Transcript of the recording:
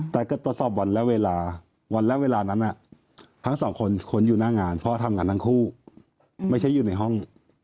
แต่ก็ตรวจสอบวันและเวลาวันและเวลานั้นทั้งสองคนค้นอยู่หน้างานเพราะทำงานทั้งคู่ไม่ใช่อยู่ในห้อง